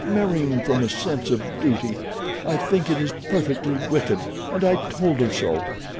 Marrying from a sense of duty! I think it is perfectly wicked, and I told her so.